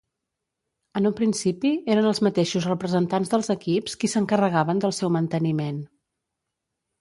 En un principi eren els mateixos representants dels equips qui s'encarregaven del seu manteniment.